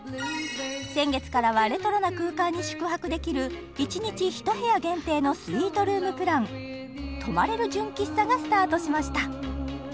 先月からはレトロな空間に宿泊できる１日１部屋限定のスイートルームプラン「泊まれる純喫茶」がスタートしました